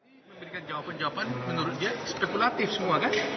saya memberikan jawaban jawaban menurut dia spekulatif semua kan